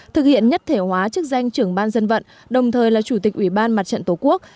thực hiện nhất thể hóa chức danh trưởng ban dân vận đồng thời là chủ tịch ủy ban mặt trận tổ quốc